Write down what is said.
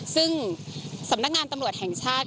ซึ่งสำนักงานตำรวจแห่งชาติ